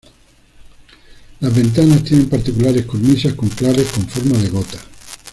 Las ventanas tienen particulares cornisas con claves con forma de gota.